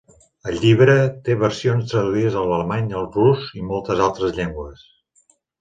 El llibre té versions traduïdes a l'alemany, al rus, i moltes altres llengües.